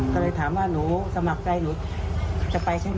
ก็เลยถามว่าหนูสมัครใจหนูจะไปใช่ไหม